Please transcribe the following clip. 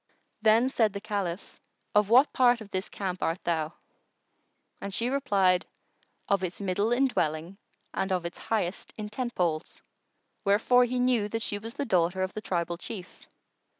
Then said the Caliph, "Of what part of this camp art thou?"; and she replied, "Of its middle in dwelling and of its highest in tentpoles."[FN#113] Wherefore he knew that she was the daughter of the tribal chief.